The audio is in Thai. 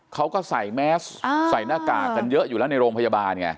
เขาก็ใส่แมสใส่หน้ากากกันเยอะอยู่แล้วในโรงพยาบาลไง